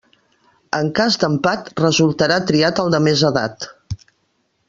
En cas d'empat resultarà triat el de més edat.